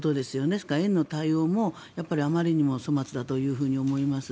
それから園の対応もあまりにもお粗末だと思います。